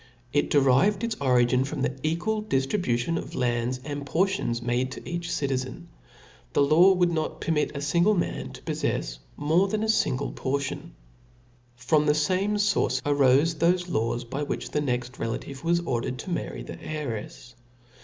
It derived its origin from the equal diftribution of lands and portions made to each citizen. The law would .not permit a fingle man to poffefs more than a fingle portion. From the fame fource arofe thofe laws by which the next relation was ordered to marry the heirefs.